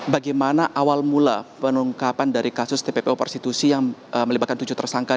bagaimana awal mula pengungkapan dari kasus tppo prostitusi yang melibatkan tujuh tersangka